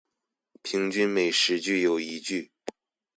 平均每十句有一句